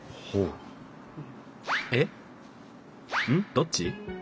どっち！？